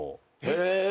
へぇ。